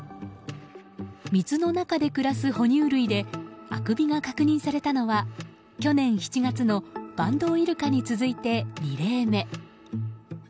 水の中で暮らす哺乳類であくびが確認されたのは去年７月のバンドウイルカに続いて２例目。